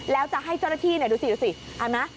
แล้วจะให้เจ้าหน้าที่ดูสิเห็นไหม